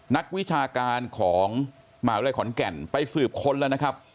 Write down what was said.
นักวิชาการของมหาวิทยาลัยขอนแก่นไปสืบค้นแล้วนะครับ